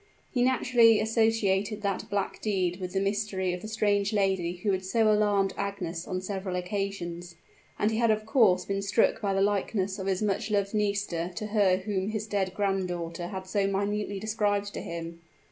He naturally associated that black deed with the mystery of the strange lady who had so alarmed Agnes on several occasions; and he had of course been struck by the likeness of his much loved Nisida to her whom his dead granddaughter had so minutely described to him.